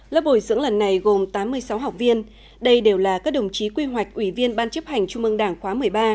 lớp bồi dưỡng lần này gồm tám mươi sáu học viên đây đều là các đồng chí quy hoạch ủy viên ban chấp hành trung ương đảng khóa một mươi ba